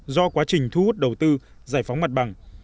do quá trình thu hút đầu tư giải phóng mặt bằng